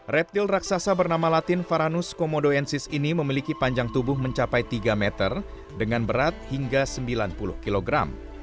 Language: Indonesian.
reptil raksasa bernama latin varanus komodoensis ini memiliki panjang tubuh mencapai tiga meter dengan berat hingga sembilan puluh kilogram